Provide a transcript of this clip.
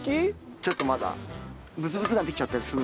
ちょっとまだブツブツができちゃったりする。